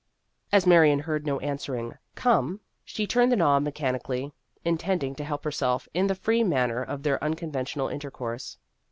As Marion heard no answering " Come," she turned the knob mechanically, intend ing to help herself in the free manner of their unconventional intercourse.